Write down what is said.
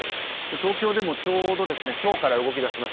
東京でもちょうど今日から動き出します。